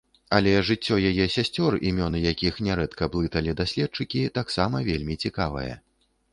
Але жыццё яе сясцёр, імёны якіх нярэдка блыталі даследчыкі, таксама вельмі цікавае.